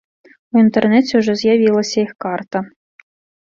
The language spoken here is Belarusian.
У інтэрнэце ўжо з'явілася іх карта.